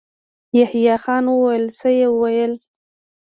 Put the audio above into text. يحيی خان وويل: څه يې ويل؟